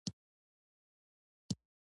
نه مو خلیفه ویني او نه د هغه کوم عسکر.